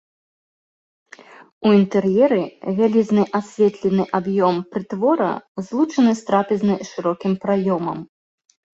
У інтэр'еры вялізны асветлены аб'ём прытвора злучаны з трапезнай шырокім праёмам.